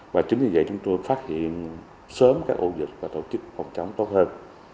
và chính vì vậy chúng tôi phát hiện sớm các ổ dịch và tổ chức phòng chống tốt hơn